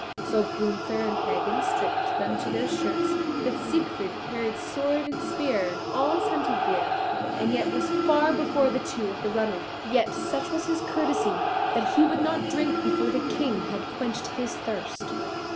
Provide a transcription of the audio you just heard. So Gunther and Hagen stripped them to their shirts, but Siegfried carried sword and spear, all his hunting gear, and yet was far before the two at the runnel. Yet, such was his courtesy, that he would not drink before the King had quenched his thirst.